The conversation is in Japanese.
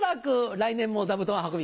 来年も座布団運び